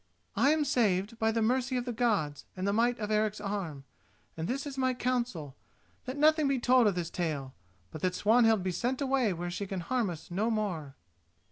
I am saved, by the mercy of the Gods and the might of Eric's arm, and this is my counsel: that nothing be told of this tale, but that Swanhild be sent away where she can harm us no more."